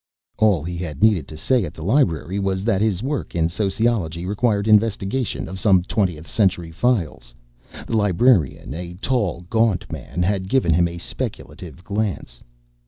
All he had needed to say at the library was that his work in sociology required investigation of some twentieth century files. The librarian, a tall, gaunt man, had given him a speculative glance.